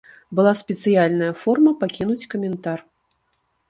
Была спецыяльная форма пакінуць каментар.